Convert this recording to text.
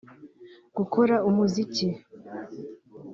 gukora umuziki